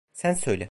Sen söyle.